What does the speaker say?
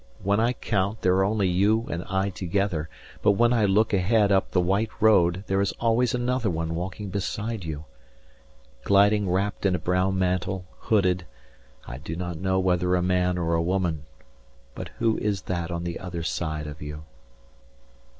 When I count, there are only you and I together 360 But when I look ahead up the white road There is always another one walking beside you Gliding wrapt in a brown mantle, hooded I do not know whether a man or a woman —But who is that on the other side of you?